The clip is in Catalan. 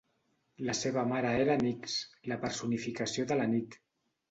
La seva mare era Nyx, la personificació de la nit.